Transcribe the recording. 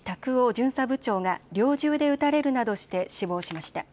巡査部長が猟銃で撃たれるなどして死亡しました。